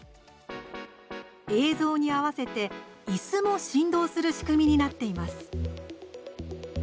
映像に合わせて、いすも振動する仕組みになっています。